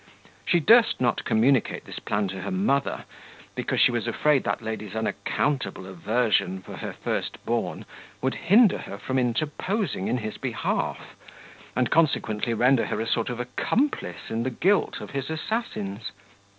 She durst not communicate this plot to her mother, because she was afraid that lady's unaccountable aversion for her first born would hinder her from interposing in his behalf, and consequently render her a sort of accomplice in the guilt of his assassins.